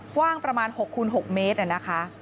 กว้างประมาณ๖คูณ๖เมตรนะคะ